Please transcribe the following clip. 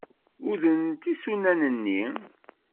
Udrent isunan-nni.